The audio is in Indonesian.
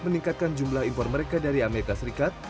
meningkatkan jumlah impor mereka dari amerika serikat